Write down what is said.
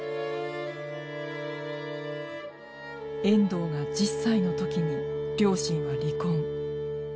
遠藤が１０歳の時に両親は離婚。